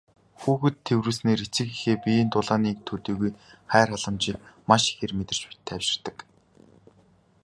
Хүүхэд тэврүүлснээр эцэг эхийнхээ биеийн дулааныг төдийгүй хайр халамжийг маш ихээр мэдэрч тайвширдаг.